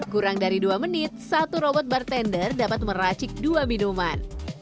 kurang dari dua menit satu robot bartender dapat meracik dua minuman